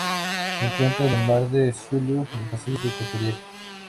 Se encuentra en el Mar de Sulu y en el Pacífico ecuatorial.